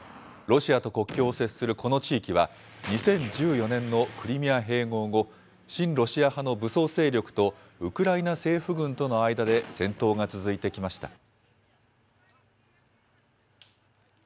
ロシアと国境を接するこの地域は、２０１４年のクリミア併合後、親ロシア派の武装勢力とウクライナ政府軍との間で、戦闘が続いてきました。